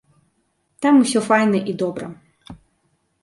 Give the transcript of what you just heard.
Там ўсё файна і добра.